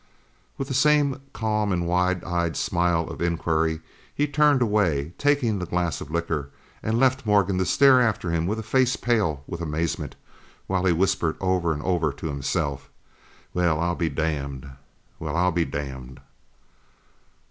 With the same calm and wide eyed smile of inquiry he turned away, taking the glass of liquor, and left Morgan to stare after him with a face pale with amazement, while he whispered over and over to himself: "Well, I'll be damned! Well, I'll be damned!"